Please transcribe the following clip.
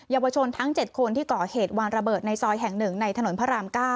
เยาวชนทั้ง๗คนที่ก่อเหตุวางระเบิดในซอยแห่ง๑ในถนนพระราม๙